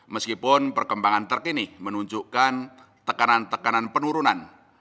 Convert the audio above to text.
meskipun perkembangan terkini menunjukkan tekanan tekanan penurunan